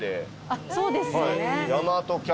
あっそうですよね。